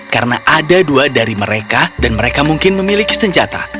karena ada dua dari mereka dan mereka mungkin memiliki senjata